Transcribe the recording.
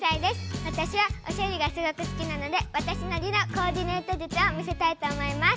わたしはおしゃれがすごく好きなのでわたしなりのコーディネートじゅつを見せたいと思います。